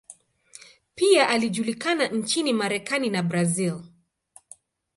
Pia alijulikana nchini Marekani na Brazil.